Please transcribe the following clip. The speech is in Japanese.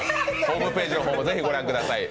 ホームページもぜひ御覧ください。